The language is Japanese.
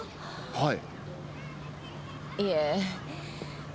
はい。